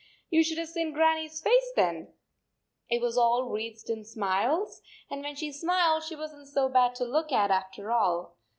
You should have seen Grannie s face then ! It was all wreathed in smiles, and when she smiled she wasn t so bad to look at after all.